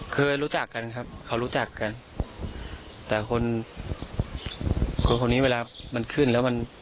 เคยรู้จักกันครับเขารู้จักกันแต่คนคนคนนี้เวลามันขึ้นแล้วมัน